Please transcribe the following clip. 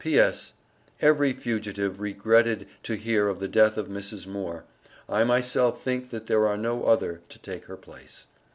P.S. Every fugitive Regreated to hear of the Death of Mrs. Moore. I myself think that there are no other to take her Place.